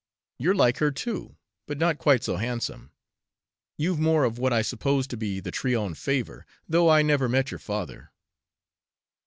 You're like her! too, but not quite so handsome you've more of what I suppose to be the Tryon favor, though I never met your father.